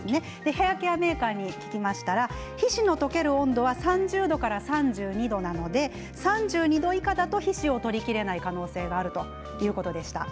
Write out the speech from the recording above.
ヘアケアメーカーに聞きましたら皮脂の溶ける温度は３０度から３２度なので３２度以下だと皮脂を取りきれない可能性があるということでした。